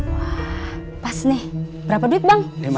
wah pas nih berapa duit bang